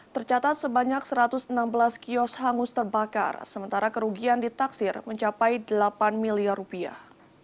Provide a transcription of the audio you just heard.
tercatat sebanyak satu ratus enam belas kios hangus terbakar sementara kerugian ditaksir mencapai delapan miliar rupiah